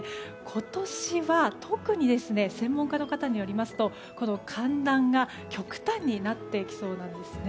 今年は、特に専門家の方によりますと寒暖が極端になってきそうなんですね。